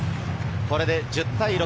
これで１０対６。